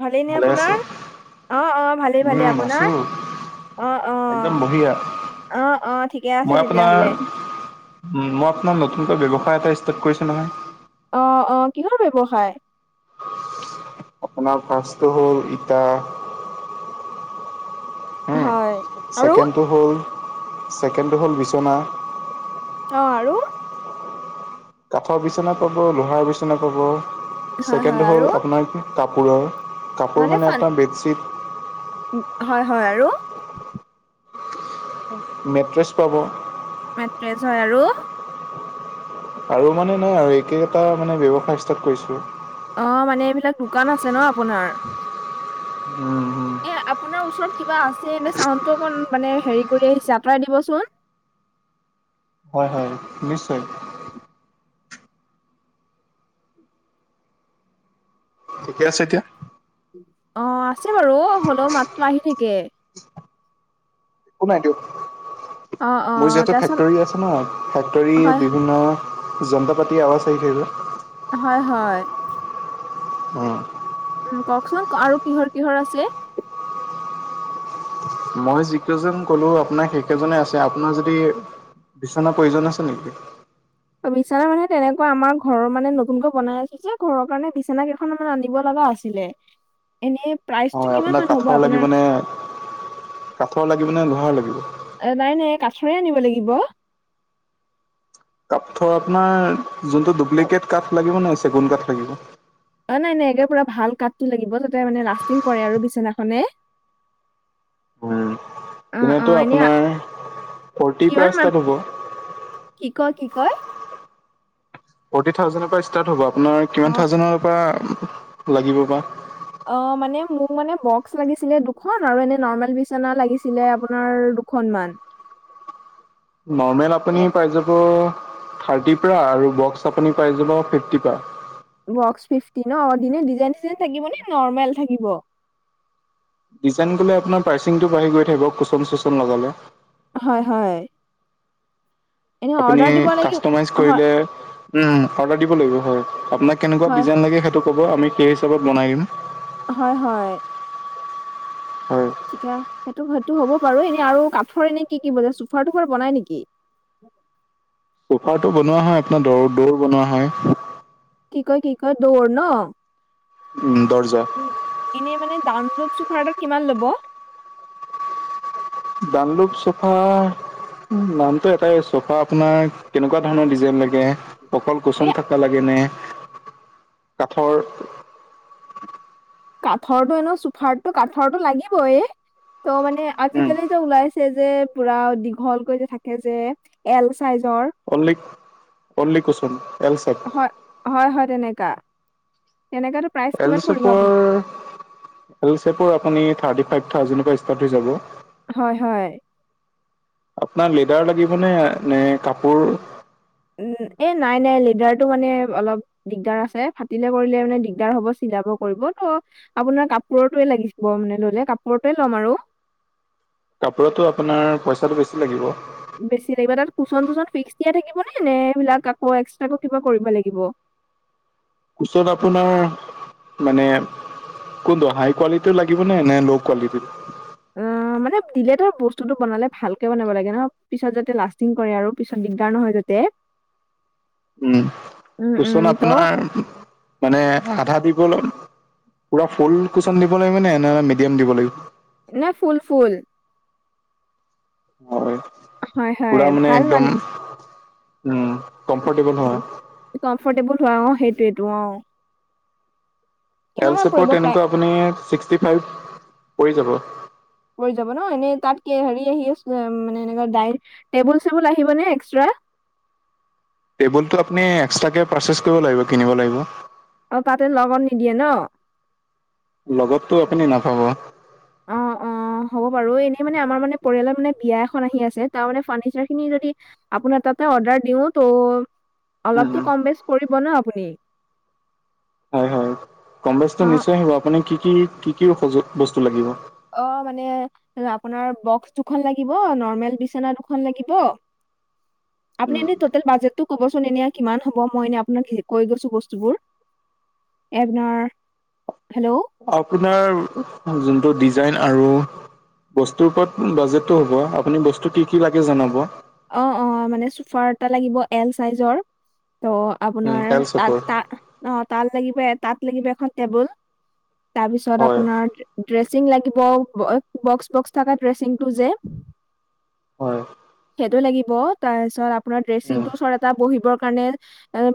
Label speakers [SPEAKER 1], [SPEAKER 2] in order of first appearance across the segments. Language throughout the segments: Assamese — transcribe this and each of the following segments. [SPEAKER 1] ভালেই নে
[SPEAKER 2] ভালে আছে?
[SPEAKER 1] আপোনাৰ? অ', অ', ভালেই ভালেই
[SPEAKER 2] উম,
[SPEAKER 1] আপোনাৰ?
[SPEAKER 2] আছোঁ।
[SPEAKER 1] অ',
[SPEAKER 2] একদম
[SPEAKER 1] অ',
[SPEAKER 2] বঢ়িয়া,
[SPEAKER 1] অ', অ', ঠিকে আছে
[SPEAKER 2] মই আপোনাৰ
[SPEAKER 1] তেতিয়াহ'লে।
[SPEAKER 2] উম, মই আপোনাৰ নতুনকৈ ব্যৱসায় এটা ষ্টাৰ্ট কৰিছোঁ নহয়।
[SPEAKER 1] অ', অ', কিহৰ ব্যৱসায়?
[SPEAKER 2] আপোনাৰ ফাৰ্ষ্চটো হ'ল ইটা হুম?
[SPEAKER 1] হয় আৰু?
[SPEAKER 2] ছেকেণ্ডটো হ'ল ছেকেণ্ডটো হ'ল বিচনা
[SPEAKER 1] অ', আৰু?
[SPEAKER 2] কাঠৰ বিছনা পাব লোহাৰ বিচনা পাব,
[SPEAKER 1] হয় হয়
[SPEAKER 2] ছেকেণ্ড
[SPEAKER 1] আৰু?
[SPEAKER 2] হ'ল আপোনাৰ কাপোৰৰ। কাপোৰ মানে এটা বেডশ্বীট
[SPEAKER 1] হয়, হয়, আৰু?
[SPEAKER 2] মেট্ৰেছ পাব।
[SPEAKER 1] মেট্ৰেছ হয় আৰু?
[SPEAKER 2] আৰু মানে নাই আৰু একেটা মানে ব্যৱসায় ষ্টাৰ্ট কৰিছোঁ।
[SPEAKER 1] অ', মানে এইবিলাক দোকান আছে ন আপোনাৰ?
[SPEAKER 2] উম, উম।
[SPEAKER 1] এ আপোনাৰ ওচৰত কিবা আছে নে চাউণ্ডটো অকণ মানে হেৰি কৰি আহিছে, আঁতৰাই দিবচোন।
[SPEAKER 2] হয়, হয়, নিশ্চয়। ঠিকে আছে এতিয়া
[SPEAKER 1] অ আছে বাৰু হলেও মাততো আহি থাকে
[SPEAKER 2] একো নাই দিয়ক
[SPEAKER 1] অ',
[SPEAKER 2] মোৰ
[SPEAKER 1] অ',
[SPEAKER 2] যিহেতু
[SPEAKER 1] তাৰপিছত
[SPEAKER 2] ফেক্টৰী আছে ন ফেক্টৰ
[SPEAKER 1] হয়
[SPEAKER 2] বিভিন্ন যন্ত্ৰ পাতি আৱাজ আহি থাকে ক
[SPEAKER 1] হয়, হয়।
[SPEAKER 2] অ'।
[SPEAKER 1] উম, কওকচোন আৰু কিহৰ-কিহৰ আছে?
[SPEAKER 2] মই যিকেইজন ক'লোঁ আপোনাৰ সেইকেইজনে আছে আপোনাৰ যদি বিচনাৰ প্ৰয়োজন আছে নেকি?
[SPEAKER 1] অ বিছনা মানে তেনেকুৱা আমাৰ ঘৰৰ মানে নতুনকৈ বনাই আছো যে ঘৰৰ কাৰণে বিছনা কেইখনমান মানে আনিব লগা আছিলে [unintelligible] এনেই প্ৰাইচটো
[SPEAKER 2] হয়
[SPEAKER 1] কিমান
[SPEAKER 2] আপোনাক
[SPEAKER 1] মান হ'ব
[SPEAKER 2] কাঠৰ লাগিব
[SPEAKER 1] আপোনাৰ
[SPEAKER 2] নে কাঠৰ লাগিব নে লোহাৰ লাগিব?
[SPEAKER 1] এ নাই নাই কাঠৰে আনিব লাগিব
[SPEAKER 2] কাঠৰ আপোনাৰ যোনটো ডুপ্লিকেট কাঠ লাগিব নে চেগুন কাঠ লাগিব
[SPEAKER 1] অ নাই নাই একে পুৰা ভাল কাঠটো লাগিব তাতে মানে লাষ্টিং কৰে আৰু বিচনাখনে
[SPEAKER 2] উম,
[SPEAKER 1] [inaudible]
[SPEAKER 2] তেনেতো
[SPEAKER 1] এনে
[SPEAKER 2] আপোনাৰ ফৰ্টিৰ
[SPEAKER 1] কিমান
[SPEAKER 2] পৰা
[SPEAKER 1] মান
[SPEAKER 2] ষ্টাৰ্ট হ'ব
[SPEAKER 1] কি কয় কি কয়
[SPEAKER 2] থাৰ্টি থাউজেণ্ডৰ পৰা ষ্টাৰ্ট হ'ব আপোনাৰ
[SPEAKER 1] অ
[SPEAKER 2] কিমান থাউজেণ্ডনৰ পৰা লাগিব বা
[SPEAKER 1] অ মানে মোক মানে বক্স লাগিছিলে দুখন আৰু এনে নৰ্মেল বিচনা লাগিছিলে আপোনাৰ দুখন মান
[SPEAKER 2] নৰ্মেল আপুনি
[SPEAKER 1] এ
[SPEAKER 2] পাই যাব থাৰ্টিৰ পৰা আৰু বক্স আপুনি পাই যাব ফিফটিৰ পা
[SPEAKER 1] বক্স ফিফটিন অ দিনে ডিজাইন চিজাইন থাকিব নে নৰ্মেল থাকিব
[SPEAKER 2] ডিজাইন গলে আপোনাৰ প্ৰাইচিংটো বাঢ়ি গৈ থাকিব কুচন চুচন লগালে
[SPEAKER 1] হয় হয় এনে
[SPEAKER 2] আপুনি
[SPEAKER 1] অৰ্ডাৰ দিব লাগিব
[SPEAKER 2] কাষ্টমাইজ
[SPEAKER 1] হয়
[SPEAKER 2] কৰিলে উম অৰ্ডাৰ দিব লাগিব হয় আপোনাক কেনেকুৱা
[SPEAKER 1] হয়
[SPEAKER 2] ডিজাইন লাগে সেইটো ক'ব আমি সেই হিচাপত বনাই দিম
[SPEAKER 1] হয় হয়
[SPEAKER 2] হয়
[SPEAKER 1] চিকা সেইটো সেইটো হ'ব বাৰু এনে আৰু কাঠৰ এনে কি কি বজায় চোফাৰ তুফাৰ বনাই নেকি
[SPEAKER 2] ছোফাৰটো বনোৱা হয় আপোনাৰ দৌ দৌৰ বনোৱা হয়
[SPEAKER 1] কি কয় কি কয় দৌৰ ন
[SPEAKER 2] উম দৰ্জা
[SPEAKER 1] এনেই মানে দামলোভ চোফাৰ এটাত কিমান ল'ব
[SPEAKER 2] দানলুক চোফা নামটো এটাই চোফা আপোনাৰ কেনেকুৱা ধৰণৰ ডিজাইন লা গে অকল
[SPEAKER 1] এ
[SPEAKER 2] কচুন থকা লাগে নে কাঠৰ
[SPEAKER 1] কাঠৰটো এনো চোফাৰটো কাঠৰটো লাগিবয় ত' মানে
[SPEAKER 2] উম,
[SPEAKER 1] আজিকালি ওলাইছে যে পুৰা দীঘলকৈ যে থাকে যে এল চাইজৰ
[SPEAKER 2] অললিক অনলি কুচন এল চাইজ
[SPEAKER 1] হয় হয় হয় তেনেকা তেনেকাতো প্ৰাইচ কিমান পৰিব
[SPEAKER 2] এলচোপৰ
[SPEAKER 1] আপোনাৰ
[SPEAKER 2] এলিচেপৰ আপুনি থাৰ্টি ফাইভ থাউজেণ্ডৰ পৰা ইষ্টাত হৈ যাব
[SPEAKER 1] হয় হয়
[SPEAKER 2] আপোনাৰ লেডাৰ লাগিব নে নে কাপোৰ
[SPEAKER 1] উম এ নাই নাই লিডাৰটো মানে অলপ দিগদাৰ আছে ফাটিলে কৰিলে মানে দিগদাৰ হব চিলাব কৰিব ত' আপোনাৰ কাপোৰটোৱে লাগিছিল মানে লৈলে কাপোৰটোৱে ল'ম আৰু
[SPEAKER 2] কাপোৰতো আপোনাৰ পইচাটো বেছি লাগিব
[SPEAKER 1] বেছি লাগিব তাত কোচন তুচন ফিক্স দিয়া থাকিব নে নে সেইবিলাক আকৌ এক্সট্ৰাকো কিবা কৰিব লাগিব
[SPEAKER 2] কুচত আপোনাৰ মানে কোনটো হাই কোৱালিটিৰ লাগিব নে নে লও কোৱালিটিৰ
[SPEAKER 1] উম মানে দিলে ধৰ বস্তুতটো বনালে ভালকে বনাব লাগে ন পিছত যাতে লাষ্টিং কৰে আৰু পিছত দিগদাৰ নহয় যে- তে
[SPEAKER 2] উম
[SPEAKER 1] উম উম
[SPEAKER 2] কৈচোন
[SPEAKER 1] ত'
[SPEAKER 2] আপোনাৰ মানে আধা দিব ল পুৰা ফুল কুচন দিব লাগিব নে নহলে মিডিয়াম দিব লাগিব
[SPEAKER 1] নে ফুল ফুল
[SPEAKER 2] হয়
[SPEAKER 1] হয় হয়
[SPEAKER 2] পুৰা মানে
[SPEAKER 1] ভাল
[SPEAKER 2] একদম উম কমফৰ্টেবল হয়।
[SPEAKER 1] কমফৰ্টেবল হোৱা অ সেইটোৱেতো অ কিমান মান
[SPEAKER 2] এলচেপত
[SPEAKER 1] পৰিব প্ৰায়
[SPEAKER 2] তেনেকুৱা আপুনি ছিক্স টি ফাইভ পৰি যাব।
[SPEAKER 1] পৰি যাব ন এনেই তাত হেৰি আহি আছিলে মানে এনেকোৱা ডাই টেবুল চেবুল আহিব নে এক্সট্ৰা।
[SPEAKER 2] টেবুলটো আপুনি এক্সটাকে পাৰচেচ কৰিব লাগিব কিনিব লাগিব।
[SPEAKER 1] অ তাতে লগত নিদিয়ে ন।
[SPEAKER 2] লগতটো আপুনি নাপাব।
[SPEAKER 1] অ অ। অ হ'ব বাৰু এনেই মানে আমাৰ মানে পৰিয়ালৰ মানে বিয়া এখন আহি আছে তাৰ মানে ফাৰ্ণিচাৰ খিনি যদি আপোনাৰ তাতে অৰ্ডাৰ দিওঁ ত
[SPEAKER 2] উম
[SPEAKER 1] অলপতো
[SPEAKER 2] উম।
[SPEAKER 1] কম বেচ কৰিব ন আপুনি।
[SPEAKER 2] হয় হয় কম বেচ
[SPEAKER 1] অ
[SPEAKER 2] নিশ্চয় আহিব আপুনি কি কি কি কি সযো বস্তু লাগিব।
[SPEAKER 1] অ মানে ৰাপোনাৰ বক্স দুখন লাগিব নৰ্মেল বিচনা দুখন লাগিব। আপুনি
[SPEAKER 2] উম।
[SPEAKER 1] এনে টোটেল বাজেটটো ক'বচোন এনে কিমান হ'ব মই এনে আপোনাক কৈ গৈছো বস্তুবোৰ এপনাৰ হেল্ল'
[SPEAKER 2] আপোনাৰ যোনটো ডিজাইন আৰু বস্তুৰ ওপৰত বাজেটো হ'ব আপুনি বস্তু কি কি লাগে জনাব।
[SPEAKER 1] অ অ মানে চুফাৰ এটা লাগিব এল চাইজৰ ত
[SPEAKER 2] উম
[SPEAKER 1] আপোনাৰ
[SPEAKER 2] এল
[SPEAKER 1] তাত
[SPEAKER 2] চেপৰ
[SPEAKER 1] তা অ তাল লাগিব তাত লাগিব এখন টেবুল তাৰপিছত
[SPEAKER 2] হয়
[SPEAKER 1] আপোনাৰ ড্ৰেছ- চিং লাগিব বক্স বক্স থকা ড্ৰেচিং টো যে
[SPEAKER 2] হয়।
[SPEAKER 1] সেইটো লাগিব। তাৰ পিছত আপোনাৰ ড্ৰেচিং
[SPEAKER 2] উম
[SPEAKER 1] টো চৰ এটা বহিবৰ কাৰণে এ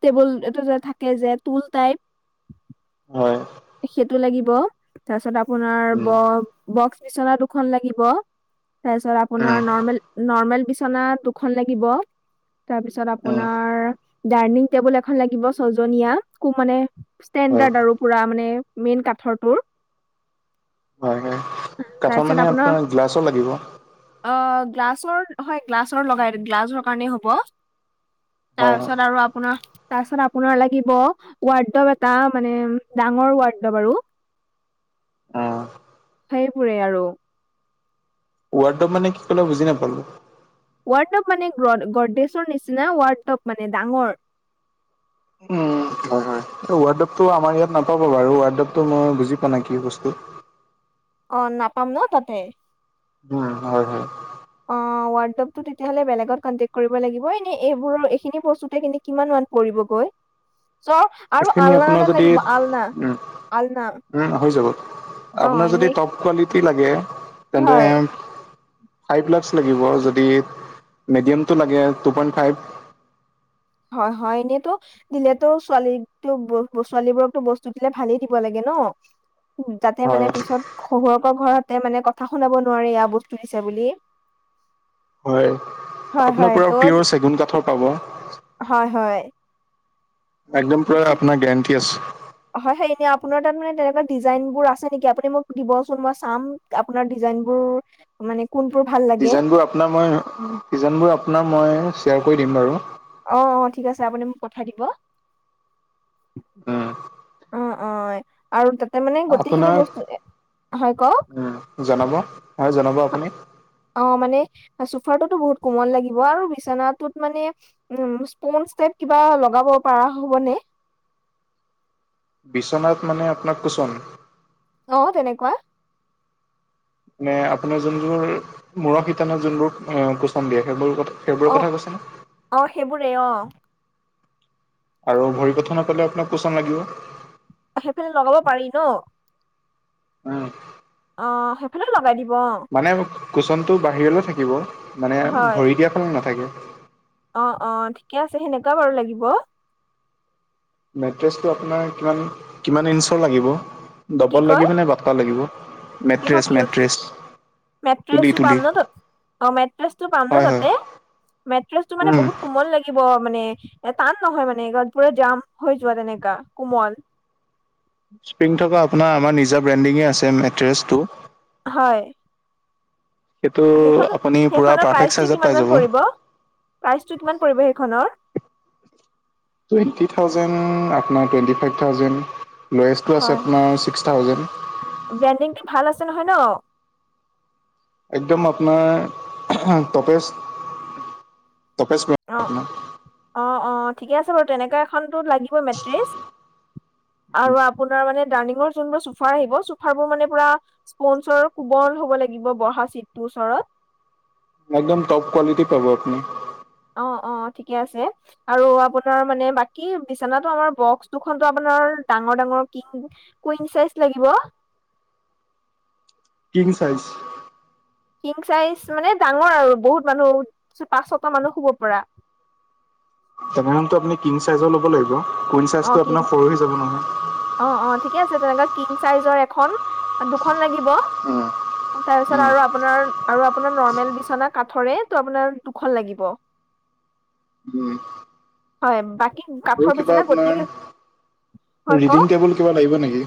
[SPEAKER 1] টেবুল এটা যে থাকে যে টুল টাইপ
[SPEAKER 2] হয়।
[SPEAKER 1] সেইটো লাগিব। তাছত আপোনাৰ
[SPEAKER 2] উম
[SPEAKER 1] ব বক্স বিচনা দুখন লাগিব। ৰাইছত
[SPEAKER 2] উম
[SPEAKER 1] আপোনাৰ নৰ্মেল নৰ্মেল বিচনা খন লাগিব। তাৰপিছত
[SPEAKER 2] উম
[SPEAKER 1] আপোনাৰ ডাইনিং টেবুল এখন লাগিব ছজনীয়া কু মানে
[SPEAKER 2] হয়
[SPEAKER 1] ষ্টেণ্ডাৰ্ড আৰু পুৰা মানে মেইন কাঠৰটোৰ।
[SPEAKER 2] হয় হয় কাঠৰ মানে আপোনাৰ গ্লাছৰ লাগিব।
[SPEAKER 1] অ গ্লাছৰ হয় গ্লাছৰ লগাই গ্লাছৰ কাৰণেই হ'ব।
[SPEAKER 2] হয় হয়
[SPEAKER 1] তাপিছত আৰু আপোনা- তাৰপিছত আপোনাৰ লাগিব ৱাৰ্ডৰ এটা মানে ডাঙৰ ৱাৰ্ডৰ বাৰু।
[SPEAKER 2] অ
[SPEAKER 1] সেইবোৰে আৰু।
[SPEAKER 2] ৱাৰ্ডৰ মানে কি ক'লে বুজি নাপালো।
[SPEAKER 1] ৱাৰ্ডপ মানে গডডেশৰ নিচিনা ৱাৰ্ডপ মানে ডাঙৰ।
[SPEAKER 2] উম, হয় হয় ৱাৰ্ডপটো আমাৰ ইয়াত নাপাব বাৰু ৱাৰ্ডপটো মই বুজি পোৱা নাই কি বস্তু।
[SPEAKER 1] অ নাপাম ন তাতে।
[SPEAKER 2] উম হয় হয়।
[SPEAKER 1] অ ৱাৰ্ডপটো তিতিয়াহলে বেলেগত কণ্টেক কৰিব লাগিব এনেই এইবোৰ এইখিনি ব‌‌স্তুতে কিমান মান পৰিবগৈ? চ আৰু
[SPEAKER 2] এইখিনি
[SPEAKER 1] আলনা
[SPEAKER 2] আপোনাৰ
[SPEAKER 1] এডাল
[SPEAKER 2] যদি
[SPEAKER 1] লাগিব আলনা
[SPEAKER 2] উম,
[SPEAKER 1] আলনা।
[SPEAKER 2] উম, হৈ যাব।
[SPEAKER 1] অ
[SPEAKER 2] আপোনাৰ যদি
[SPEAKER 1] এনেই
[SPEAKER 2] টপ কোৱালিটি লাগে তেন্তে
[SPEAKER 1] হয়
[SPEAKER 2] ফাইভ লাইকছ লাগিব যদি মিডিয়ামটো লাগে টু পইন্ট ফাইভ।
[SPEAKER 1] হয় -হয় এনেতো দিলেতো ছোৱালীটোক- ছোৱালীবোৰকটো বস্তু দিলে ভালেই দিব লাগে ন। উম, যাতে মানে
[SPEAKER 2] হয়।
[SPEAKER 1] পিছত শহৰকৰ ঘৰতে মানে কথা শুনাব নোৱাৰে এয়া বস্তু দিছে বুলি।
[SPEAKER 2] হয়
[SPEAKER 1] হয়
[SPEAKER 2] আপোনাৰ
[SPEAKER 1] হয়
[SPEAKER 2] পৰা
[SPEAKER 1] ত'
[SPEAKER 2] পিয়ৰ চেগুন কাঠৰ পাব।
[SPEAKER 1] হয় হয়।
[SPEAKER 2] একদম পৰা
[SPEAKER 1] ঠিক
[SPEAKER 2] আপোনাৰ গেৰাণ্টি আছে।
[SPEAKER 1] হয় হেই এনে আপোনাৰ তাত মানে তেনেকুৱা ডিজাইন বোৰ আছে নেকি আপুনি মোক দিবচোন মই চাম। আপোনাৰ ডিজাইনবোৰ মানে কোনটো ভাল? লাগে
[SPEAKER 2] ডিজাইনবোৰ আপোনাৰ মই -ডিজাইনবোৰ আপোনাৰ মই শ্বেয়াৰ কৰি দিম বাৰু।
[SPEAKER 1] অ', অ', ঠিক আছে আপুনি মোক পঠাই দিব।
[SPEAKER 2] উম।
[SPEAKER 1] অ', অ', আৰু তাতে মানে গোটেইখিনি
[SPEAKER 2] আপোনাক
[SPEAKER 1] বস্তু হয় কওক?
[SPEAKER 2] উম, জনাব হয় জনাব আপুনি।
[SPEAKER 1] অ, মানে চোফাৰটোতো বহুত কোমল লাগিব আৰু বিচনাটোত মানে উম, ইস্পঞ্জ ষ্টেপ কিবা লগাব পাৰা হ'বনে?
[SPEAKER 2] বিচনাত মানে আপোনাক কুচন?
[SPEAKER 1] অ, তেনেকুৱা।
[SPEAKER 2] মানে আপোনাৰ যোনবোৰ মূৰৰ শিতানে যোনবোৰ অ, কোচন দিয়ে সেইবোৰ কথা সেইবোৰৰ
[SPEAKER 1] অ
[SPEAKER 2] কথা কৈছেনে?
[SPEAKER 1] অ, সেইবোৰেই অ।
[SPEAKER 2] আৰু ভৰি কথা নাপালে আপোনাক কোচন লাগিব?
[SPEAKER 1] অহ, সেইফালে লগাব পাৰি ন।
[SPEAKER 2] উম।
[SPEAKER 1] অ, সেইফালেও লগাই দিব।
[SPEAKER 2] মানে কুচনটো বাহিৰলৈ থাকিব মানে
[SPEAKER 1] হয়
[SPEAKER 2] ভৰি দিয়া ফালে নাথাকে।
[SPEAKER 1] অ', অ', ঠিকে আছে সেনেকুৱা বাৰু লাগিব।
[SPEAKER 2] মেট্ৰেচটো আপোনাৰ কিমান -কিমান ইঞ্চৰ লাগিব
[SPEAKER 1] কি
[SPEAKER 2] ডবল
[SPEAKER 1] কয়
[SPEAKER 2] লাগিব নে ব থকা লাগিব
[SPEAKER 1] কিহৰ
[SPEAKER 2] মেট্ৰেছ-
[SPEAKER 1] কিহৰ
[SPEAKER 2] মেট্ৰেছ তুলি
[SPEAKER 1] মেট্ৰেছটো
[SPEAKER 2] তুলি
[SPEAKER 1] পাম ন' তাত অ, মেট্ৰেছটো পাম ন'
[SPEAKER 2] হয় হয়
[SPEAKER 1] তাতে? মেট্ৰেছ টো মানে
[SPEAKER 2] উম।
[SPEAKER 1] বহুত কোমল লাগি গিব মানে এ টান নহয় মানে [unintelligible] জাম হৈ যোৱা তেনেকা কোমল।
[SPEAKER 2] স্প্ৰিং থকা আপোনাৰ আমাৰ নিজা ব্ৰেণ্ডিঙে আছে মেট্ৰেছটো।
[SPEAKER 1] হয়।
[SPEAKER 2] সেইটো
[SPEAKER 1] সেইখনত-
[SPEAKER 2] আপুনি পুৰা
[SPEAKER 1] সেইখনৰ
[SPEAKER 2] পাৰফেক্ট
[SPEAKER 1] প্ৰাইচটো
[SPEAKER 2] চাইজত পাই
[SPEAKER 1] কিমানমান
[SPEAKER 2] যাব।
[SPEAKER 1] পৰিব প্ৰাইচটো কিমান পৰিব সেইখনৰ?
[SPEAKER 2] টু এইট্টি থাউজেণ্ড আপোনাৰ টুৱেণ্টি ফাইভ থাউজেণ্ড ল'য়েষ্টটো আছে
[SPEAKER 1] হয়
[SPEAKER 2] আপোনাৰ ছিক্স থাউজেণ্ড।
[SPEAKER 1] ব্ৰেণ্ডিংটো ভাল আছে নহয় ন?
[SPEAKER 2] একদম আপনাৰ [unintelligible] টপেষ্ট- টপেষ্ট মে
[SPEAKER 1] অ', অ', অ', ঠিকে আছে বাৰু তেনেকা এখনতো লাগিব মেট্ৰেছ। আৰু আপোনাৰ মানে ডাইনিঙৰ যোনবোৰ চোফা আহিব চোফাবোৰ মানে পুৰা স্পনচৰ কোমল হ'ব লাগিব বহা চিটটোৰ ওচৰত।
[SPEAKER 2] অ, একদম টপ কোৱালিটি পাব আপনি।
[SPEAKER 1] অ', অ', ঠিকে আছে। আৰু আপোনাৰ মানে বাকী বিচানাটো আমাৰ বক্স দুখনতো আপোনাৰ ডাঙৰ- ডাঙৰ কিং কুইন চাইজ লাগিব।
[SPEAKER 2] King size.
[SPEAKER 1] কিং চাইজ মানে ডাঙৰ আৰু বহুত মানুহ পাঁচ, ছটা মানুহ শুব পৰা।
[SPEAKER 2] তেনেহেনটো আপুনি কিং চাইজৰ লব লাগিব কুইন
[SPEAKER 1] অ
[SPEAKER 2] চাইজটো
[SPEAKER 1] কিং
[SPEAKER 2] আপোনাৰ সৰু হৈ যাব নহয়।
[SPEAKER 1] অ', অ', ঠিকে আছে তেনেকা কিং চাইজৰ এখন, দুখন লাগিব। তাৰ পিছত আৰু আপোনাৰ আৰু আপোনাৰ নৰ্মেল বিছনা কাঠৰে ত আপোনাৰ দুখন লাগিব। [inaudible]
[SPEAKER 2] উম,
[SPEAKER 1] হয়, বাকী কাঠৰ বিছনা
[SPEAKER 2] অহ, ৰিডিং টেবুল কিবা লাগিব নেকি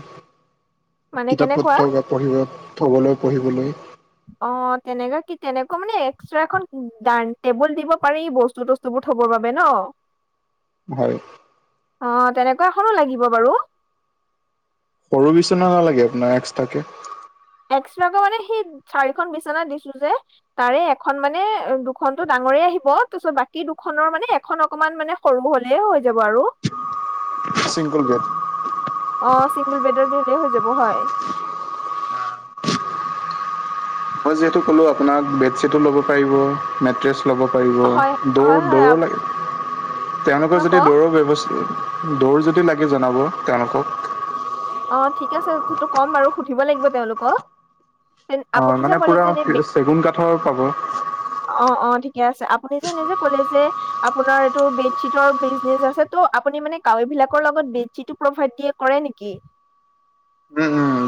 [SPEAKER 1] মানে
[SPEAKER 2] কিতাপ
[SPEAKER 1] কেনেকুৱা
[SPEAKER 2] পত্ৰ [unintelligible] পঢ়িব থ'বলৈ পঢ়িবলৈ।
[SPEAKER 1] অ', তেনেকা কি তেনেকোৱা মানে এক্সট্ৰা এখন ডান টেবুল দিব পাৰি বস্তু -তষ্টো টোবোৰ থবৰ বাবে ন।
[SPEAKER 2] হয়।
[SPEAKER 1] অ, তেনেকুৱা এখনো লাগিব বাৰু।
[SPEAKER 2] সৰু বিচনা নালাগে আপোনাৰ এক্সট্ৰাকে?
[SPEAKER 1] এক্সট্ৰাকে মানে সেই চাৰিখন বিচনা দিছো যে। তাৰে এখন মানে দুখন টো ডাঙৰে আহিব তোছ বাকী দুখনৰ মানে এখন অকমান মানে সৰু হ'লে হৈ যাব আৰু।
[SPEAKER 2] Single bed.
[SPEAKER 1] অ, চিংগল বেডত দিলেই হৈ যাব হয়।
[SPEAKER 2] মই যিহেতু কলো আপোনাক বেডশ্বীটো ল'ব পাৰিব মেট্ৰেছ ল'ব পাৰিব
[SPEAKER 1] হয় হয়
[SPEAKER 2] দৌৰ-
[SPEAKER 1] হয়
[SPEAKER 2] দৌৰ
[SPEAKER 1] অ'
[SPEAKER 2] লাই তেওঁলোকৰ যদি
[SPEAKER 1] কওক
[SPEAKER 2] দৌৰো ব্যৱস্থ দৌৰ যদি লাগে জনাব তেওঁলোকক।
[SPEAKER 1] অ, ঠিক আছেটোতো ক'ম বাৰু সুধিব লাগিব তেওঁলোকক। তেন-
[SPEAKER 2] হয়
[SPEAKER 1] আপুনি যে
[SPEAKER 2] মানে
[SPEAKER 1] ক'লে
[SPEAKER 2] পুৰা
[SPEAKER 1] যে এনে বে-
[SPEAKER 2] চেগুন কাঠৰ পাব।
[SPEAKER 1] অ', অ', ঠিকে আছে আপুনি যে নিজে ক'লে যে আপোনাৰ এইটো বেডছিতৰ বিজনেছ আছেতো আপুনি কাভাৰ বিলাকৰ লগত বেডশ্বিটতো প্ৰভাইত দিয়ে। কৰে নেকি?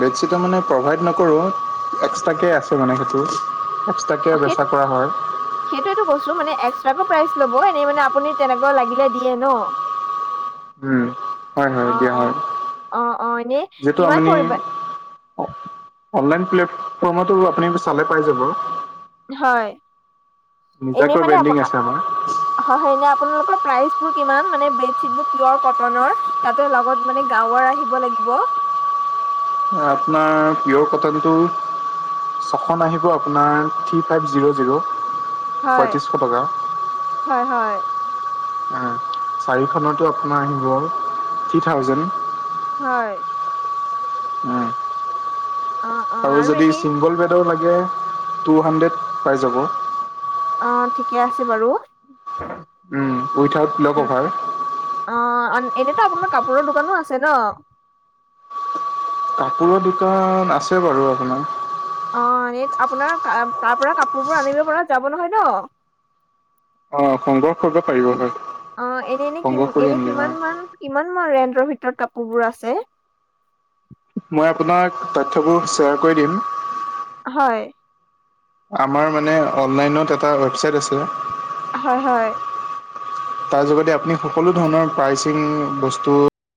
[SPEAKER 2] বেডশ্বিটা মানে প্ৰভাইড নকৰোঁ এক্সট্ৰাকে আছে মানে সেইটো পাঁচটা। কিয় বেচা কৰা হয়?
[SPEAKER 1] সেইটোয়েটো কৈছো মানে এক্সট্ৰাকো প্ৰাইজ লব এনেই মানে আপুনি তেনেকুৱা লাগিলে দিয়ে ন। [inaudible]
[SPEAKER 2] উম, হয়
[SPEAKER 1] অ
[SPEAKER 2] -হয় দিয়া
[SPEAKER 1] অ
[SPEAKER 2] হয়
[SPEAKER 1] অ অ এনেই
[SPEAKER 2] যিহেতু
[SPEAKER 1] কিমান
[SPEAKER 2] আমনি
[SPEAKER 1] পৰিব
[SPEAKER 2] অ, অনলাইন প্লেটফৰ্মতো আপুনি চালে পাই যাব।
[SPEAKER 1] হয় এনেই
[SPEAKER 2] নিজাকৈ
[SPEAKER 1] মানে আপো
[SPEAKER 2] ব্ৰেণ্ডিং আছে আমাৰ
[SPEAKER 1] হয় -হয় এনে আপোনালোকৰ প্ৰাইচবোৰ কিমান মানে বেডশ্বীটবোৰ কিমান পিয়ৰ কটনৰ? তাতে লগত মানে গাৱৰ আহিব লাগিব।
[SPEAKER 2] আপনাৰ পিয়ৰ কটনটো ছখন আহিব আপোনাৰ থ্ৰী ফাইভ জিৰ-জিৰ।
[SPEAKER 1] হয়-হয়- হয়।
[SPEAKER 2] [inaudible] হয়। চাৰিখনতো আপোনাৰ আহিব থ্ৰী থাউজেণ্ড।
[SPEAKER 1] হয়। অ অ
[SPEAKER 2] আৰু যদি
[SPEAKER 1] এনেই
[SPEAKER 2] ছিংগল বেডৰ লাগে টু হাণ্ড্ৰেড পাই যাব।
[SPEAKER 1] অ, ঠিকে আছে বাৰু।
[SPEAKER 2] Without pillow
[SPEAKER 1] um
[SPEAKER 2] cover.
[SPEAKER 1] অ, এনেতো আপোনাৰ কাপোৰৰ দোকানো আছে ন?
[SPEAKER 2] কাপোৰৰ দোকান আছে বাৰু আপোনাৰ।
[SPEAKER 1] অ, এনে আপোনাৰ তাৰ পৰা কাপোৰবোৰ আনিব পৰা যাব নহয় ন?
[SPEAKER 2] অঁ সংগ্ৰহ কৰিব পাৰিব হয়
[SPEAKER 1] অ, এনে -এনে কি
[SPEAKER 2] সংগ্ৰহ কৰি
[SPEAKER 1] এনে
[SPEAKER 2] আনিলে হয়
[SPEAKER 1] কিমান মান কিমান মান ৰেন্টৰ ভিতৰত কাপোৰ বোৰ আছে?
[SPEAKER 2] মই আপোনাক তথ্যবোৰ শ্বেয়াৰ কৰি দিম।
[SPEAKER 1] হয়।
[SPEAKER 2] আমাৰ মানে অনলাইনত এটা ৱেবচাইট আছে।
[SPEAKER 1] হয় হয়
[SPEAKER 2] তাৰ যোগদি আপুনি সকলো ধৰণৰ প্ৰাইচিং বস্তু।